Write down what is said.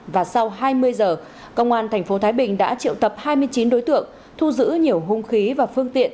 và sau hai mươi giờ công an tp thái bình đã triệu tập hai mươi chín đối tượng thu giữ nhiều hung khí và phương tiện